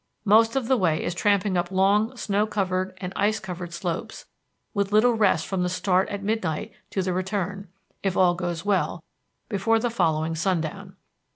Most of the way is tramping up long snow covered and ice covered slopes, with little rest from the start at midnight to the return, if all goes well, before the following sundown.